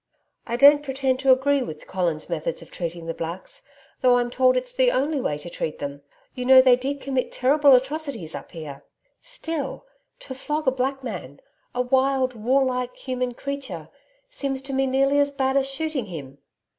I don't pretend to agree with Colin's methods of treating the Blacks, though I'm told it's the only way to treat them you know they did commit terrible atrocities up here.... Still to flog a black man, a wild, warlike, human creature, seems to me nearly as bad as shooting him.